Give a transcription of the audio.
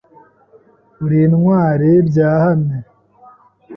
Uri intwari byahamye